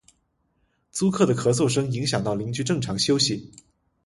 租客的咳嗽声影响到邻居正常休息